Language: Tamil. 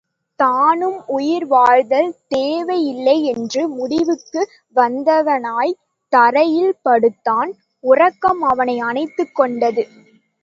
தானும் உயிர் வாழ்தல் தேவையில்லை என்று முடிவுக்கு வந்தவனாய்த் தரையில் படுத்தான் உறக்கம் அவனை அனைத்துக் கொண்டது.